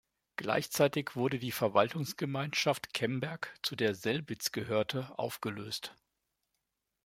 Gleichzeitig wurde die Verwaltungsgemeinschaft Kemberg, zu der Selbitz gehörte, aufgelöst.